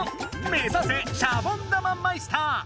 めざせシャボン玉マイスター！